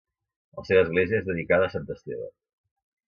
La seva església és dedicada a Sant Esteve.